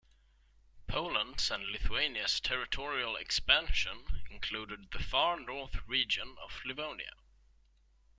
Poland's and Lithuania's territorial expansion included the far north region of Livonia.